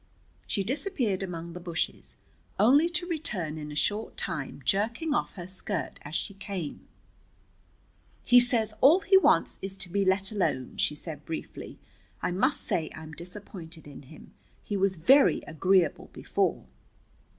She disappeared among the bushes, only to return in a short time, jerking off her skirt as she came. "He says all he wants is to be let alone," she said briefly. "I must say I'm disappointed in him. He was very agreeable before."